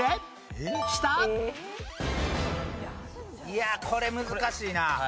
いやこれ難しいな。